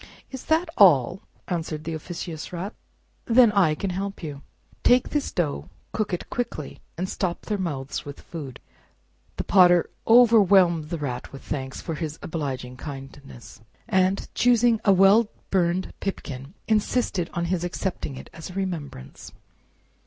"Is that all?" answered the officious Rat; then I can help you. Take this dough, cook it quickly, and stop their mouths with food." The Potter overwhelmed the Rat with thanks for his obliging kindness, and choosing out a nice well burned pipkin, insisted on his accepting it as a remembrance.